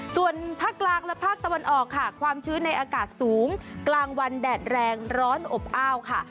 ส่วนภาคกลางและภาคตะวันออกค่ะความชื้นในอากาศสูงกลางวันแดดแรงร้อนอบอ้าวค่ะ